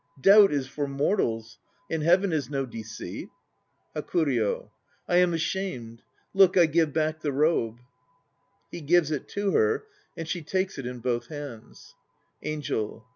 Doubt is for mortals; In heaven is no deceit. HAKURYO. I am ashamed. Look, I give back the robe. (He gives it to her and she takes it in both hands.) ANGEL.